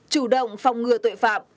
chủ động phòng ngừa tội phạm